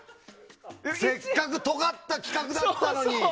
せっかくとがった企画だったのに！